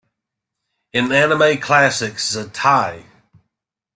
In Anime Classics Zettai!